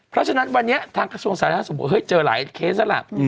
เพราะฉะนั้นวันนี้ทางกระชวงศาลห้าสมุทรเฮ้ยเจอหลายเคสนั่นแหละ